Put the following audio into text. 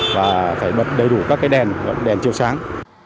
và phải bật đầy đủ các cái đèn đèn chiều sáng